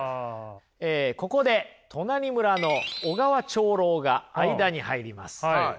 ここで隣村の小川長老が間に入ります。